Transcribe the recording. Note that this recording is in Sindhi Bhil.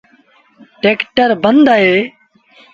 ٽيڪٽر بند اهي۔